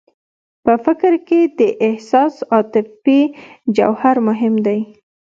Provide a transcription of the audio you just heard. په فکر کې د احساس او عاطفې جوهر مهم دی